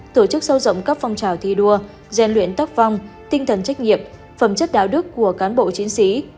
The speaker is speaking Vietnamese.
tổ chức sâu rộng các phong trào thi đua gian luyện tắc phong tinh thần trách nhiệm phẩm chất đạo đức của cán bộ chiến sĩ